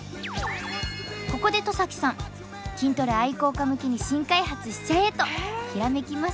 ここで戸崎さん「筋トレ愛好家向けに新開発しちゃえ！」とヒラメキます。